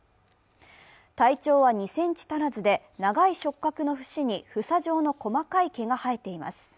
体長は２ｃｍ足らずで長い触角の節に房状の細かい毛が生えています。